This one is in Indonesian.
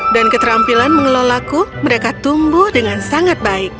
dan keterampilan mengelolaku mereka tumbuh dengan sangat baik